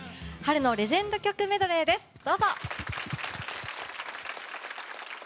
春のレジェンド曲メドレーです。